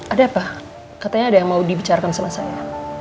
ada apa katanya ada yang mau dibicarakan sama saya